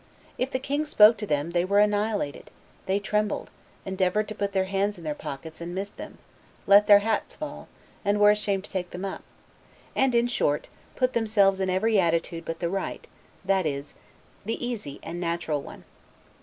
If the king spoke to them, they were annihilated; they trembled, endeavored to put their hands in their pockets, and missed them; let their hats fall, and were ashamed to take them up; and in short, put themselves in every attitude but the right, that is, the easy and natural one.